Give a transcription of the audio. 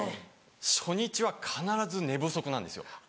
初日は必ず寝不足なんですよ。